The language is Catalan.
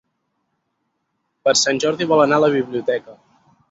Per Sant Jordi vol anar a la biblioteca.